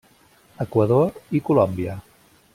Equador i Colòmbia.